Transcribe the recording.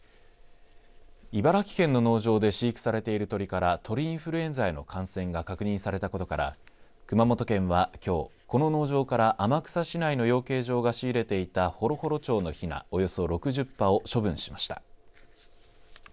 茨城県の農場で飼育されている鳥から鳥インフルエンザへの感染が確認されたことから、熊本県はきょう、この農場から天草市内の養鶏場が仕入れていたホロホロ鳥のひなおよそ６０羽を処分しました。